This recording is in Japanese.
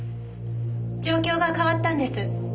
状況が変わったんです。